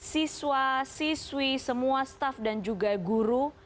siswa siswi semua staff dan juga guru